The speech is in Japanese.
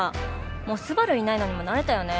もうスバルいないのにも慣れたよね